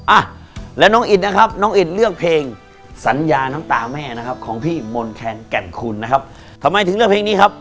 อ่ะแล้วน้องอิดนะครับน้องอิดเลือกเพลงสัญญาน้ำตาแม่นะครับของพี่มนต์แคนแก่นคุณนะครับทำไมถึงเลือกเพลงนี้ครับ